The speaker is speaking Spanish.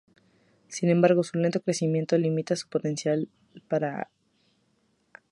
Sin embargo, su lento crecimiento limita su potencial para acuicultura.